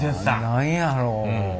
何やろう。